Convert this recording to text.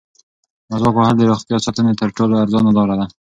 مسواک وهل د روغتیا ساتنې تر ټولو ارزانه لاره ده.